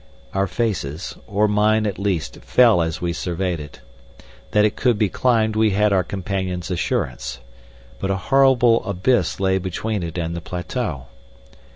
Our faces or mine, at least fell as we surveyed it. That it could be climbed we had our companion's assurance. But a horrible abyss lay between it and the plateau.